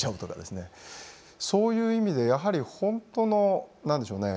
そういう意味でやはり本当の何でしょうね？